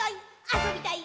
あそびたい！